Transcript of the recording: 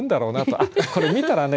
これ見たらね